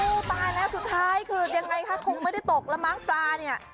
ดูปลานะสุดท้ายคุณนะคะคงไม่ได้ตกละม้ามักปลาเนี่ย